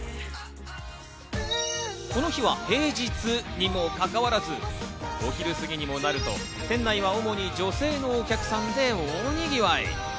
この日は平日にもかかわらずお昼過ぎにもなると店内は主に女性のお客さんで大にぎわい。